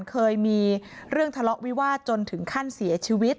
เคยมีเรื่องทะเลาะวิวาสจนถึงขั้นเสียชีวิต